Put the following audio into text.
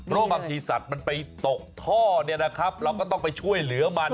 ก็บางทีสัตว์มันไปตกท่อเราก็ต้องไปช่วยเหลือมัน